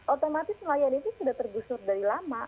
otomatis nelayan itu sudah tergusur dari lama